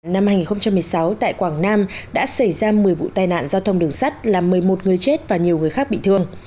năm hai nghìn một mươi sáu tại quảng nam đã xảy ra một mươi vụ tai nạn giao thông đường sắt làm một mươi một người chết và nhiều người khác bị thương